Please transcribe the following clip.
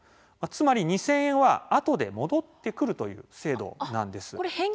つまり２０００円は、あとで戻ってくるという制度なんです。